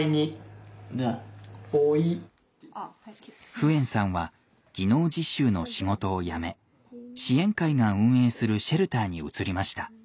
フエンさんは技能実習の仕事を辞め支援会が運営するシェルターに移りました。